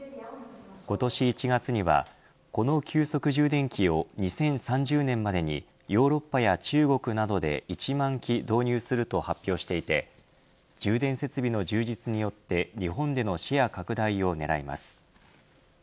今年１月にはこの急速充電器を２０３０年までにヨーロッパや中国などで１万基導入すると発表していて充電設備の充実によって日本でのシェア拡大を狙います。